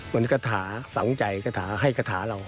มันคาถาฝังใจคาถาให้คาถาเรา